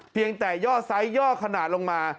เพียงแต่ย่อไซส์ย่อขนาดลงมา